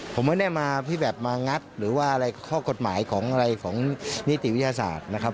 ผมไม่ได้มาที่แบบมางัดหรือว่าอะไรข้อกฎหมายของอะไรของนิติวิทยาศาสตร์นะครับ